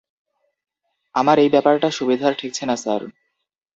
আমার এই ব্যাপারটা সুবিধার ঠেকছে না, স্যার।